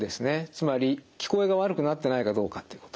つまり聞こえが悪くなってないかどうかっていうこと。